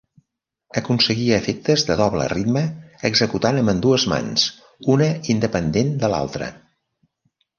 Aconseguia efectes de doble ritme executant amb ambdues mans, una independent de l'altra.